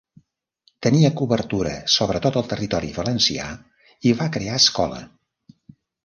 Tenia cobertura sobre tot el territori valencià i va crear escola.